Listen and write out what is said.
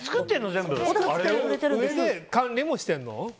それで管理もしてるの？